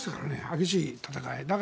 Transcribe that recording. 激しい戦い。